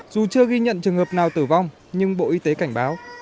dù chưa ghi nhận trường hợp nào tử vong nhưng bộ y tế cảnh báo